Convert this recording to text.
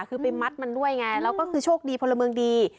คือไปมัดมันด้วยไงแล้วก็คือโชคดีพลเมืองดี